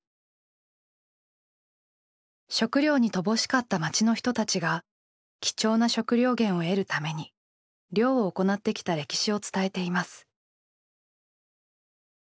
食料に乏しかった町の人たちが貴重な食料源を得るために漁を行ってきた歴史を伝えています。